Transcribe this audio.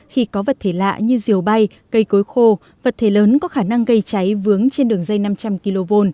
khi có vật thể lạ như diều bay cây cối khô vật thể lớn có khả năng gây cháy vướng trên đường dây năm trăm linh kv